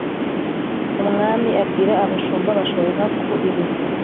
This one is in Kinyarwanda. umwami abwira abashumba, bashora inka ku iriba